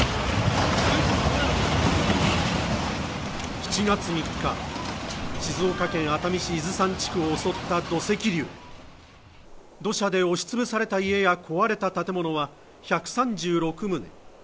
７月３日静岡県熱海市伊豆山地区を襲った土石流土砂で押しつぶされた理由や壊れた建物は１３６棟